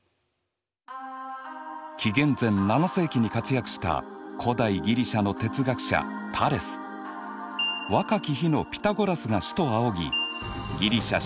紀元前７世紀に活躍した古代ギリシアの哲学者若き日のピタゴラスが師と仰ぎギリシア七